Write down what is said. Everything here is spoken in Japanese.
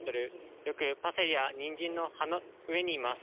よくパセリやにんじんの葉の上にいます。